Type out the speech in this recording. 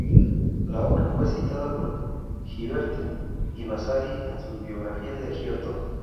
La obra fue citada por Ghiberti y Vasari en sus biografías de Giotto.